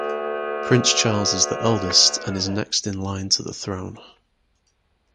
Prince Charles is the eldest and is next in line to the throne.